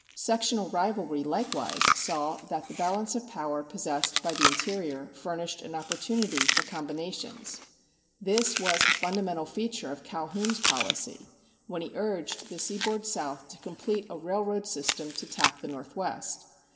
Sectional rivalry likewise saw that the balance of power possessed by the interior furnished an opportunity for combinations. This was a fundamental feature of Calhoun's policy when he urged the seaboard South to complete a railroad system to tap the Northwest.